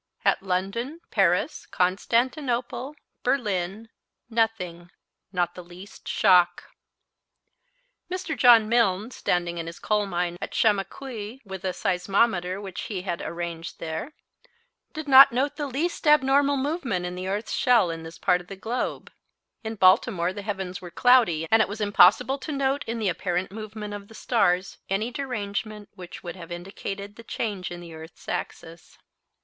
At London, Paris, Constantinople, Berlin, nothing, not the least shock. Mr. John Milne, standing in his coal mine at Shamokui with a seismometer which he had arranged there, did not note the least abnormal movement in the earth's shell in this part of the globe. In Baltimore the heavens were cloudy and it was impossible to note in the apparent movement of the stars any derangement which would have indicated the change in the earth's axis.